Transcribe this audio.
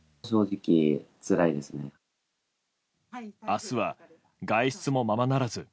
明日は外出もままならず。